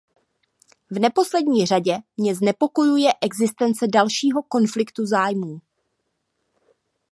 V neposlední řadě mě znepokojuje existence dalšího konfliktu zájmů.